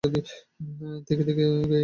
থেকে থেকে গায়ে বৃষ্টির ছাঁট আসছে।